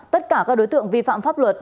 tất cả các đối tượng vi phạm pháp luật